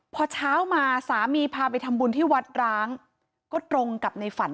พอเช้ามาสามีพาไปทำบุญที่วัดร้างก็ตรงกับในฝัน